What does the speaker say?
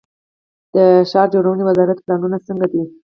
د ښار جوړونې وزارت پلانونه څنګه دي؟